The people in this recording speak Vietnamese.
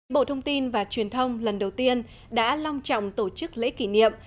bộ thông tin và truyền thông lần đầu tiên đã long trọng tổ chức lễ kỷ niệm